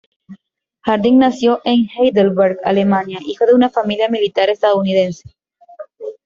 Harding nació en Heidelberg, Alemania, hijo de una familia militar estadounidense.